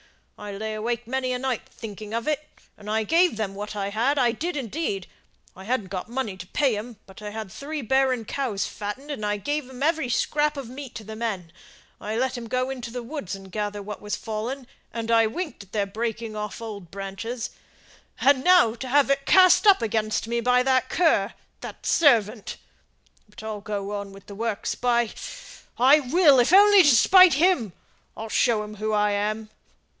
I lay awake many a night thinking of it, and I gave them what I had I did, indeed. I hadn't got money to pay 'em, but I had three barren cows fattened, and gave every scrap of meat to the men, and I let 'em go into the woods and gather what was fallen, and I winked at their breaking off old branches, and now to have it cast up against me by that cur that servant. But I'll go on with the works, by , I will, if only to spite him. I'll show him who I am.